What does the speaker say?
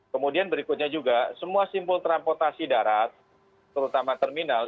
kemudian berikutnya juga semua simpul transportasi darat terutama terminal